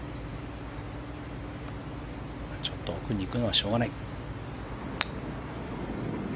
ちょっと奥に行くのはしょうがない。